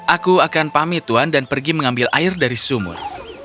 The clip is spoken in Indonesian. aku akan pamit tuan dan pergi mengambil air dari sumur